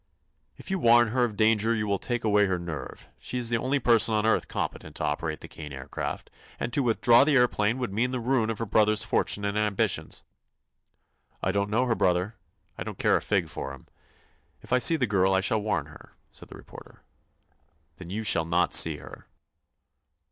"If you warn her of danger you will take away her nerve. She's the only person on earth competent to operate the Kane Aircraft, and to withdraw the aëroplane would mean the ruin of her brother's fortune and ambitions." "I don't know her brother; I don't care a fig for him. If I see the girl I shall warn her," said the reporter. "Then you shall not see her."